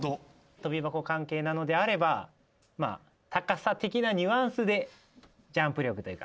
跳び箱関係であれば高さ的なニュアンスでジャンプ力というかジャンプ。